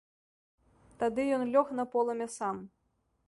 Тады ён лёг на полымя сам.